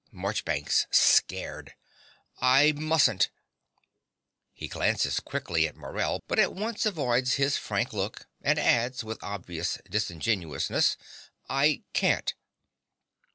MARCHBANKS (scared). I mustn't. (He glances quickly at Morell, but at once avoids his frank look, and adds, with obvious disingenuousness) I can't.